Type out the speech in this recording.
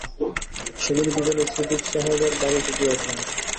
সেইদিন বিকালেই সিদিক সাহেবের বাড়িতে গিয়া উঠলাম।